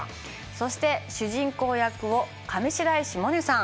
そして主人公役を上白石萌音さん。